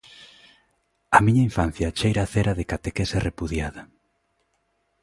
A miña infancia cheira a cera de catequese repudiada.